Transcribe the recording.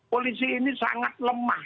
polisi ini sangat lemah